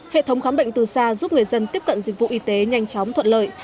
hệ thống khám bệnh từ xa giúp người dân tiếp cận dịch vụ y tế nhanh chóng thuận lợi